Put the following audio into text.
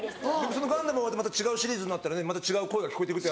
その『ガンダム』終わってまた違うシリーズになったらまた違う声が聞こえてくる。